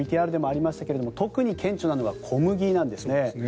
ＶＴＲでもありましたが特に顕著なのは小麦なんですね。